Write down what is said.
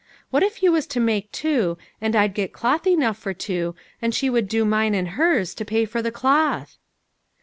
What if you was to make two, and I'd get cloth enough for two, and she would do mine and hers, to pay for the cloth?"